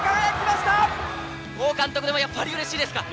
王監督でもやっぱりうれしいですか？